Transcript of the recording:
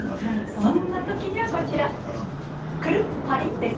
そんなときには、こちらです。